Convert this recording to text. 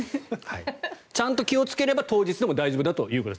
ちゃんと気をつければ当日でも大丈夫だということです。